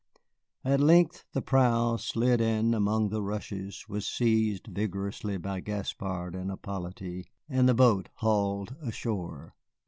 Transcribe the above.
At length the prow slid in among the rushes, was seized vigorously by Gaspard and Hippolyte, and the boat hauled ashore.